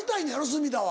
隅田は。